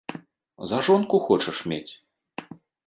За жонку хочаш мець?